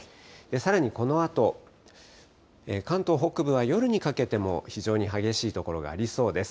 さらにこのあと、関東北部は夜にかけても、非常に激しい所がありそうです。